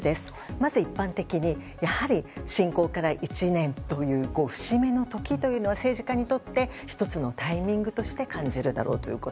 まず一般的にやはり侵攻から１年という節目の時というのは政治家にとって１つのタイミングとして感じるだろうということ。